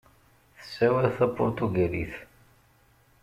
Tessawal tapuṛtugalit.